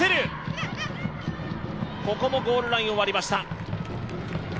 ここもゴールラインを割りました。